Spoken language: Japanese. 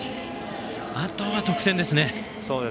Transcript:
あとは得点ですね。